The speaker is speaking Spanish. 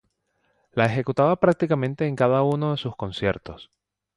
La ejecutaba prácticamente en cada uno de sus conciertos.